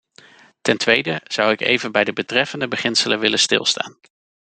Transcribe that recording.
Ten tweede zou ik even bij de betreffende beginselen willen stilstaan.